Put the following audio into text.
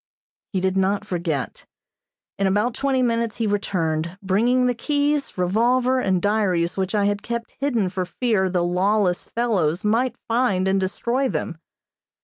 He did not forget. In about twenty minutes he returned, bringing the keys, revolver, and diaries which I had kept hidden for fear the lawless fellows might find and destroy them.